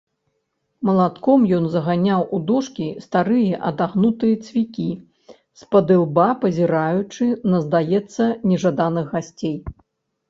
Малатком ён заганяў у дошкі старыя адагнутыя цвікі, спадылба пазіраючы на, здаецца, нежаданых гасцей.